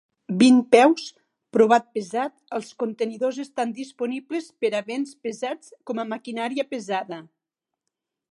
Vint peus, "provat pesat" els contenidors estan disponibles per a béns pesats com maquinària pesada.